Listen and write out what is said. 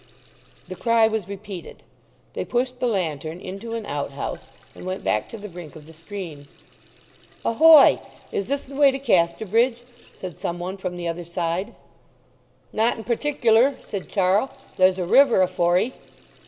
The cry was repeated. They pushed the lantern into an outhouse, and went back to the brink of the stream. "Ahoy—is this the way to Casterbridge?" said some one from the other side. "Not in particular," said Charl. "There's a river afore 'ee."